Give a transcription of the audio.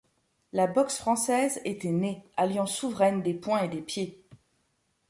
La boxe française était née, alliance souveraine des poings et des pieds.